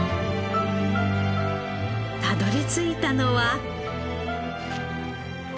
たどり着いたのは。